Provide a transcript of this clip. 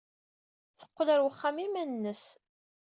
Teqqel ɣer uxxam i yiman-nnes.